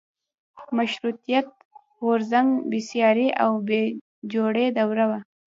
مشروطیت غورځنګ بېسارې او بې جوړې دوره وه.